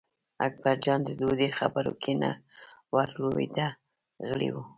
اکبرجان د دوی خبرو کې نه ور لوېده غلی و.